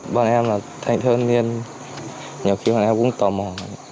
bọn em là thành thơ niên nhiều khi bọn em cũng tò mò